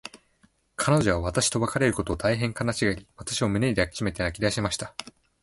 彼女は私と別れることを、大へん悲しがり、私を胸に抱きしめて泣きだしました。